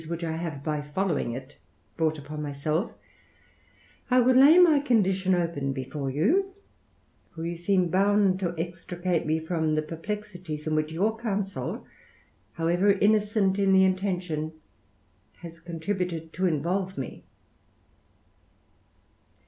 hich I have, by following it, brought upon myself, 1 will lay ray condition open before you, for you seem bound to extricate me from the perplexities in which your counsel, however innocent in the intention, has contributed to involve me.